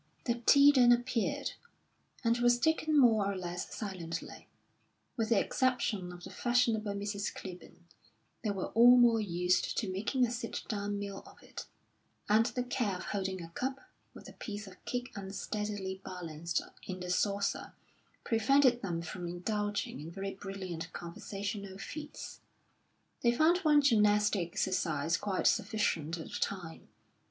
The tea then appeared, and was taken more or less silently. With the exception of the fashionable Mrs. Clibborn, they were all more used to making a sit down meal of it, and the care of holding a cup, with a piece of cake unsteadily balanced in the saucer, prevented them from indulging in very brilliant conversational feats; they found one gymnastic exercise quite sufficient at a time.